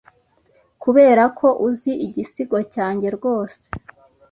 Kuberako uzi igisigo cyanjye rwose